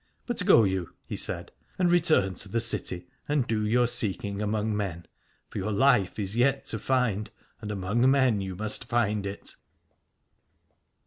But go you, he said, and return to the city, and do your seeking among men : for your life is yet to find, and among men you must find it.